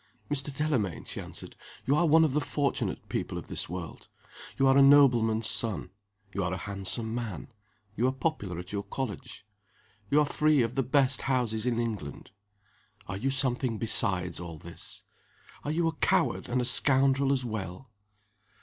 "Mr. Delamayn," she answered, "you are one of the fortunate people of this world. You are a nobleman's son. You are a handsome man. You are popular at your college. You are free of the best houses in England. Are you something besides all this? Are you a coward and a scoundrel as well?"